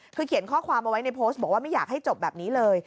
คือเขียนข้อความเอาไว้ในโพสต์บอกว่าไม่อยากให้จบแบบนี้เลย